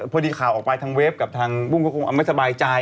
พอดีข่าวออกไปทางเว็บกับทางบุ้งก็คงไม่สบายใจ